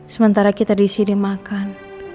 sementara kita di sini makan